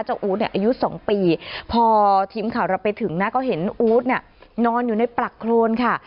อู๊ดเนี่ยอายุ๒ปีพอทีมข่าวเราไปถึงนะก็เห็นอู๊ดเนี่ยนอนอยู่ในปลักโครนค่ะ